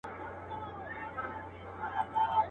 چي پر خوله به یې راتله هغه کېدله.